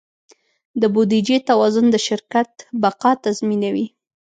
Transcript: د بودیجې توازن د شرکت بقا تضمینوي.